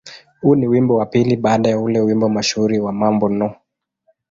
Huu ni wimbo wa pili baada ya ule wimbo mashuhuri wa "Mambo No.